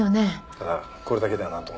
ああこれだけではなんとも。